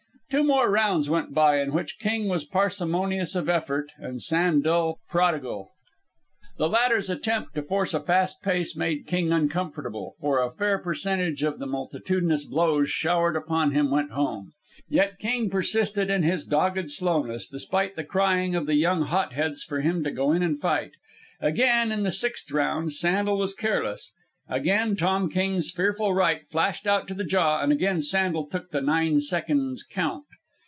Two more rounds went by, in which King was parsimonious of effort and Sandel prodigal. The latter's attempt to force a fast pace made King uncomfortable, for a fair percentage of the multitudinous blows showered upon him went home. Yet King persisted in his dogged slowness, despite the crying of the young hot heads for him to go in and fight. Again, in the sixth round, Sandel was careless, again Tom King's fearful right flashed out to the jaw, and again Sandel took the nine seconds count.